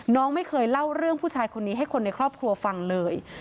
น้องไม่เคยเล่าเรื่องผู้ชายคนนี้ให้คนในครอบครัวฟังเลย